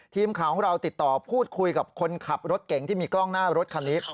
ทีมข่าวของเราติดต่อพูดคุยกับคนขับรถเก่งที่มีกล้องหน้ารถคันนี้